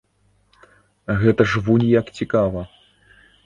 Гэта ж вунь як цікава!